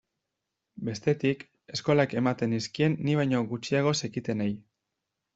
Bestetik, eskolak ematen nizkien ni baino gutxiago zekitenei.